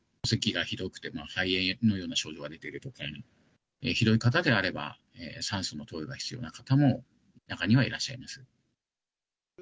せきがひどくて、肺炎のような症状が出ているとか、ひどい方であれば、酸素の投与が必要な方も、中にはいらっしゃいます。